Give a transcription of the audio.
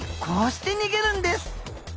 こうして逃げるんです。